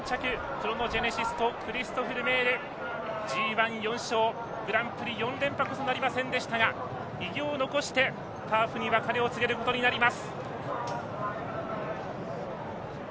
クロノジェネシスとクリストフ・ルメールＧＩ、４勝グランプリ４連覇こそなりませんでしたが偉業を残してターフに別れを告げることになります。